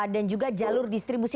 dan juga jalur distribusi